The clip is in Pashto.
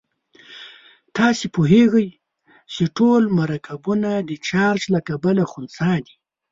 تاسې پوهیږئ چې ټول مرکبونه د چارج له کبله خنثی دي.